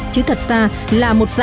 chứ thật ra là một sản phẩm